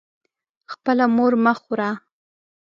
خپله مور مه خوره.